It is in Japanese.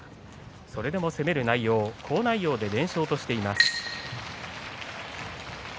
それでも攻める内容連勝しています。